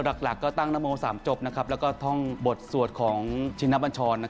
หลักก็ตั้งนโม๓จบแล้วก็ท่องบทสวดของชินบัญชร